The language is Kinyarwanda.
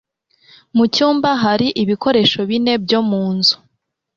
Mu cyumba hari ibikoresho bine byo mu nzu.